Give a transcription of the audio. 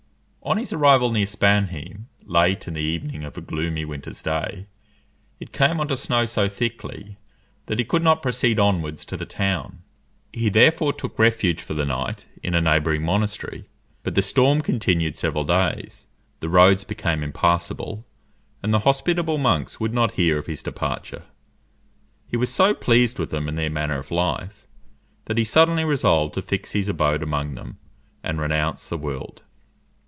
On his arrival near Spannheim, late in the evening of a gloomy winter's day, it came on to snow so thickly, that he could not proceed onwards to the town. He therefore took refuge for the night in a neighbouring monastery; but the storm continued several days, the roads became impassable, and the hospitable monks would not hear of his departure. He was so pleased with them and their manner of life, that he suddenly resolved to fix his abode among them, and renounce the world.